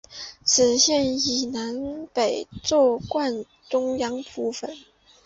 此线以南北纵贯中央部分。